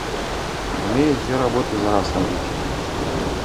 Умее дзве работы зараз рабіць.